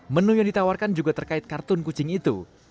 menu yang ditawarkan juga terkait kartun kucing itu